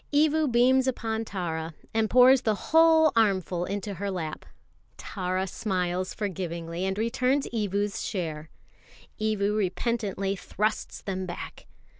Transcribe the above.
Evu beams upon Tara, and pours the whole armful into her lap. Tara smiles forgivingly, and returns Evu's share. Evu repentantly thrusts them back.